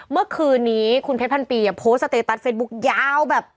เมื่อคืนนี้คุณเพชรพันปีโพสต์สเตตัสเฟซบุ๊คยาวแบบ